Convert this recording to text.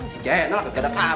si jayanal agak agak kacau